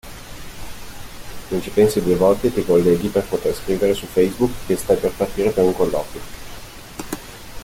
Non ci pensi due volte e ti colleghi per poter scrivere su FaceBook che stai per partire per un colloquio!